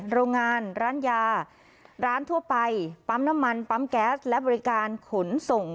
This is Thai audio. โรงงานร้านยาร้านทั่วไปปั๊มน้ำมันปั๊มแก๊สและบริการขนส่ง